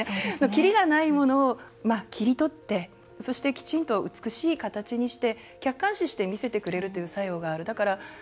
きりがないものを切り取ってきちんと美しい形にして客観視して見せてくれるという作用がある。